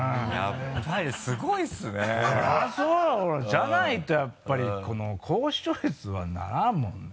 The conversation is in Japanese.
じゃないとやっぱりこの高視聴率はならんもんね。